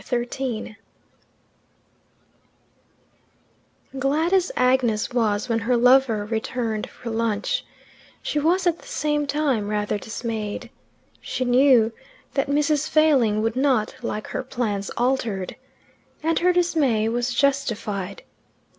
XIII Glad as Agnes was when her lover returned for lunch, she was at the same time rather dismayed: she knew that Mrs. Failing would not like her plans altered. And her dismay was justified.